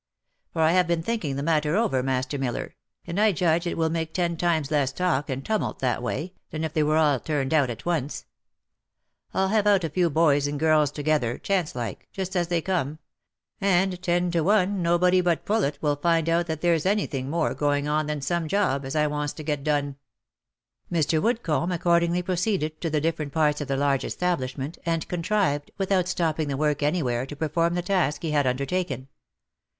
For I have been thinking the matter over, Master Miller, and I judge it will make ten times less talk and tumult that way, than if they were all turned out at once. I'll have out a few boys and girls together, chance like, just as they come — and ten to one nobody but Poulet will find out that there's any thing more going on than some job, as I wants to get done." Mr. Woodcomb accordingly proceeded to the different parts of the large establishment, and contrived, without stopping the work any where, to perform the task he had undertaken.